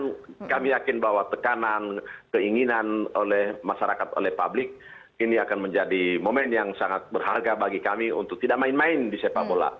dan kami yakin bahwa tekanan keinginan oleh masyarakat oleh publik ini akan menjadi momen yang sangat berharga bagi kami untuk tidak main main di sepak bola